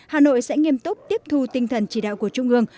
hà nội sẽ nghiêm túc tiếp thu tinh thần chỉ đạo của trung ương